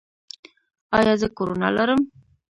ایا زه کرونا لرم؟